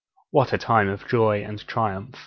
What a time of joy and triumph!